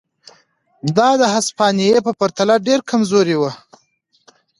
دا د هسپانیې په پرتله ډېره کمزورې وه.